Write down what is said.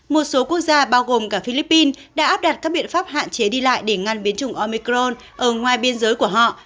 một số quốc gia bao gồm cả philippines đã áp đặt các biện pháp hạn chế đi lại để ngăn biến chủng omicron ở ngoài biên giới của họ